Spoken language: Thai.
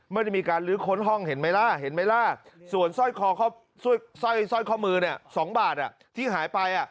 ไม่ได้มีการหลื้อค้นห้องเห็นไหมล่ะส่วนซ่อยคอมือนี่๒บาทที่หายไป